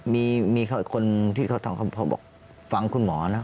มีคนที่เขาทำเขาบอกฟังคุณหมอนะ